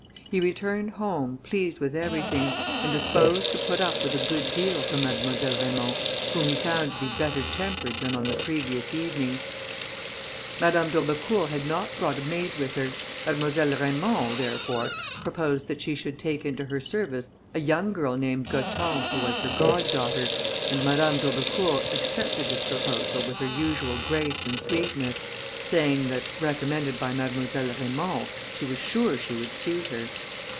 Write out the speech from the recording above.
He returned home, pleased with everything, and disposed to put up with a good deal from Mademoiselle Raymond, whom he found to be better tempered than on the previous evening. Madame d'Aubecourt had not brought a maid with her. Mademoiselle Raymond, therefore, proposed that she should take into her service a young girl named Gothon, who was her goddaughter, and Madame d'Aubecourt accepted this proposal with her usual grace and sweetness, saying that, recommended by Mademoiselle Raymond, she was sure she would suit her.